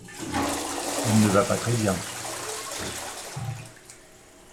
Elle ne va pas très bien.